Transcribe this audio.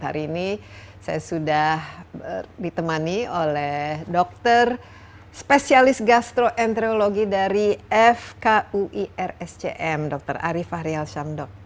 hari ini saya sudah ditemani oleh dokter spesialis gastroentrologi dari fkuirscm dr arief fahrial syandok